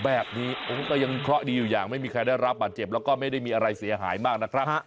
แบบนี้โอ้ก็ยังเคราะห์ดีอยู่อย่างไม่มีใครได้รับบาดเจ็บแล้วก็ไม่ได้มีอะไรเสียหายมากนะครับ